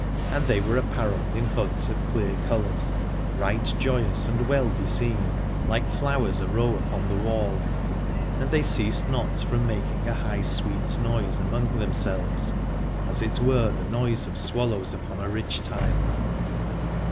And they were apparelled in hoods of clear colours, right joyous and well beseen, like flowers arow upon the wall : and they ceased not from making a high sweet noise among themselves, as it were the noise of swallows upon a ridge tile.